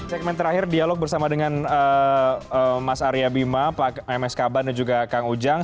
segmen terakhir dialog bersama dengan mas arya bima pak ms kaban dan juga kang ujang